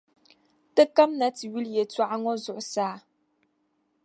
Ti kamina ti yuli yɛltɔɣa ŋɔ zuɣusaa.